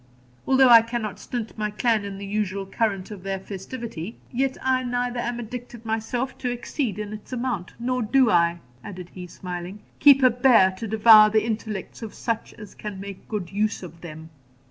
Although I cannot stint my clan in the usual current of their festivity, yet I neither am addicted myself to exceed in its amount, nor do I,' added he, smiling, 'keep a Bear to devour the intellects of such as can make good use of them.'